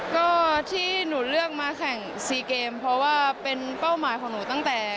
ก็ที่หนูเลือกมาแข่งซีเกมเพราะว่าเป็นเป้าหมายของหนูตั้งแต่